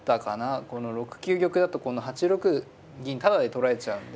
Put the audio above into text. この６九玉だとこの８六銀タダで取られちゃうんで。